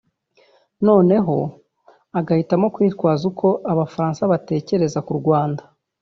noneho agahitamo kwitwaza uko Abafaransa batekereza k’ uRwanda